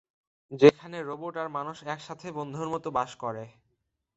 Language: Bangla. যেখানে রোবট আর মানুষ একসাথে বন্ধুর মতো বাস করে।